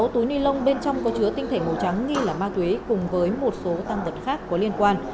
một mươi sáu túi nilon bên trong có chứa tinh thể màu trắng nghi là ma túy cùng với một số tăng vật khác có liên quan